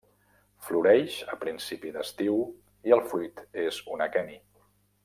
Floreix a principi d'estiu i el fruit és un aqueni.